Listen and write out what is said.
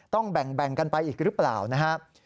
ต้องแบ่งกันไปอีกหรือเปล่านะครับ